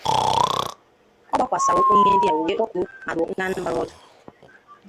Ọ gbakwasàrà ụkwụ n'ihe ndị a wee kpọkuo ma dụọ Ndị Anambra ọdụ